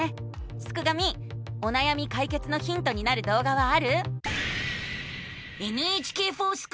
すくがミおなやみかいけつのヒントになるどう画はある？